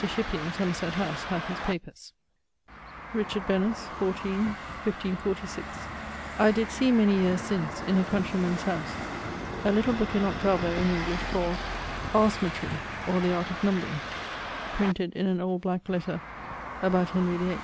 Shipey in Somerset house hath his papers. =Richard Benese= (14.. 1546). I did see, many yeares since, in a countrey man's house, a little booke in 8vo in English, called Arsmetrie, or the Art of numbring: printed in an old black letter about Henry VIII.